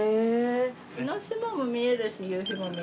江の島も見えるし夕日も見える。